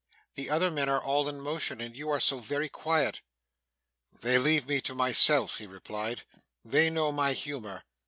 'The other men are all in motion, and you are so very quiet.' 'They leave me to myself,' he replied. 'They know my humour.